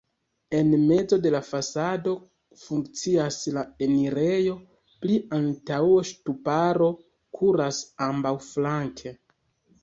En mezo de la fasado funkcias la enirejo, pli antaŭe ŝtuparo kuras ambaŭflanke.